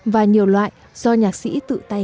và nhiều loại do nhạc sĩ tự tay